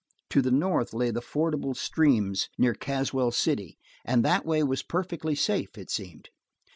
To the north lay the fordable streams near Caswell City, and that way was perfect safety, it seemed.